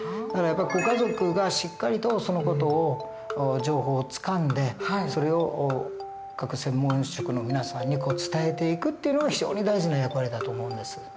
だからやっぱりご家族がしっかりとその事を情報をつかんでそれを各専門職の皆さんに伝えていくっていうのが非常に大事な役割だと思うんです。